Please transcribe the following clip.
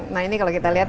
nah ini kalau kita lihat